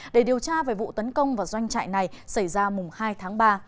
để điều tra về vụ tấn công vào doanh trại này xảy ra mùng hai tháng ba